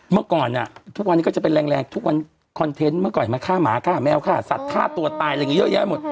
เมื่อก่อนทุกวันนี้ก็จะเป็นแรงทุกวันคอนเทนต์เมื่อก่อนมาฆ่าหมาฆ่าแมวฆ่าสัตว์ฆ่าตัวตายอะไรอย่างนี้เยอะแยะหมด